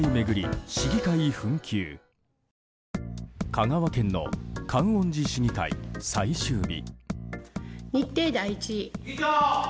香川県の観音寺市議会最終日。